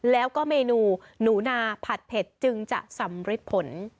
แล้วก็เมนูหนูนาผัดเผ็ดจึงจะสำริดผล